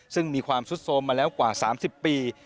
ซึ่งมีความสุดโทรมมาแล้วกว่า๓๐ปี